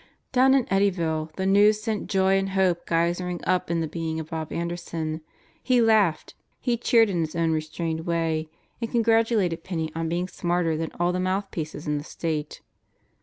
Down in Eddyville the news sent joy and hope geysering up in the being of Bob Anderson. He laughed. He cheered in his own restrained way and congratulated Penney on being smarter than all the mouthpieces in the State.